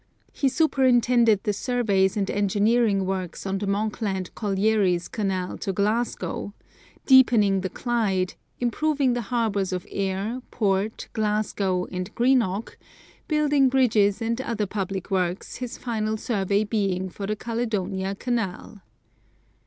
He superintended the surveys and engineering works on the Monkland Collieries Canal to Glasgow, deepening the Clyde, improving the harbors of Ayr, Port, Glasgow, and Greenock; building bridges and other public works his final survey being for the Caledonia Canal.